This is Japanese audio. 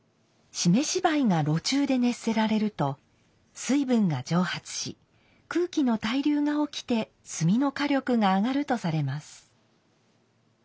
湿し灰が炉中で熱せられると水分が蒸発し空気の対流が起きて炭の火力が上がるとされます。